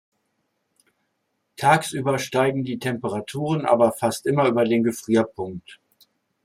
Tagsüber steigen die Temperaturen aber fast immer über den Gefrierpunkt.